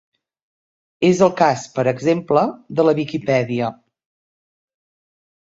És el cas, per exemple, de la Viquipèdia.